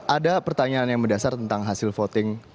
ada pertanyaan yang mendasar tentang hasil voting